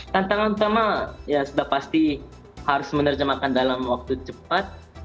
tantangan utama ya sudah pasti harus menerjemahkan dalam waktu cepat